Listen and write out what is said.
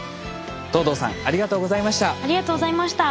藤堂さんありがとうございました。